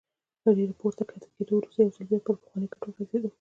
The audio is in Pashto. له ډېر پورته کښته کېدو وروسته یو ځل بیا پر پخواني کټ وغځېدم.